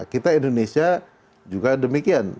kita indonesia juga demikian